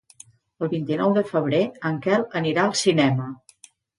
El vint-i-nou de febrer en Quel anirà al cinema.